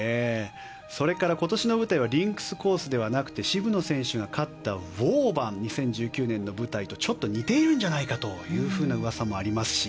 それから、今年の舞台はリンクスコースではなくて渋野選手が勝ったウォーバン、２０１９年の舞台とちょっと似ているんじゃないかという噂もありますし